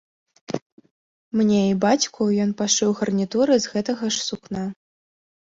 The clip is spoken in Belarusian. Мне і бацьку ён пашыў гарнітуры з гэтага ж сукна.